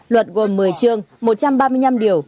luật gồm một mươi chương một trăm ba mươi năm điều